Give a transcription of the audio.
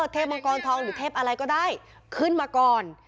เทพมังกรทองหรือเทพอะไรก็ได้ขึ้นมาก่อน